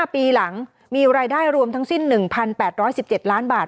ปีหลังมีรายได้รวมทั้งสิ้น๑๘๑๗ล้านบาท